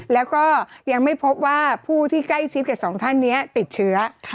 แล้วก็ยังไม่พบว่าผู้ที่ใกล้ชิดกับสองท่านนี้ติดเชื้อ